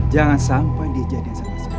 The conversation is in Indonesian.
jangan sampai dia jadi yang sama sekali